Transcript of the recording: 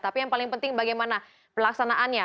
tapi yang paling penting bagaimana pelaksanaannya